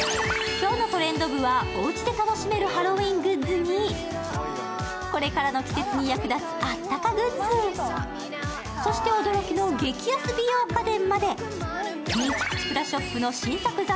今日の「トレンド部」はおうちで楽しめるハロウィーングッズにこれからの季節に役立つあったかグッズ、そして、驚きの激安美容家電まで。